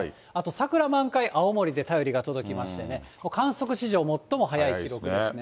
桜満開、青森で便りが届きましてね、観測史上最も早い記録ですね。